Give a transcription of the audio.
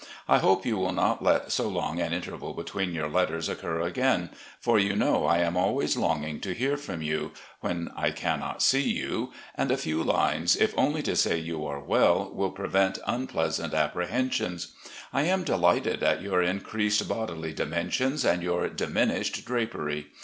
I hope you will not let so long an interval between your letters occur again, for you know I am always longing to hear from you, when I cannot see you, and a few lines, if only to say you are well, ■will prevent unpleasant apprehensions. I am delighted at your increased bodily dimensions, and your diminished drapery.